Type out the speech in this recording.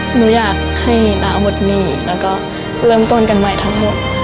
หนูอยากให้น้าหมดหนี้แล้วก็เริ่มต้นกันใหม่ทั้งหมด